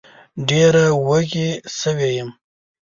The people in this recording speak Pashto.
ډېره وږې سوې وم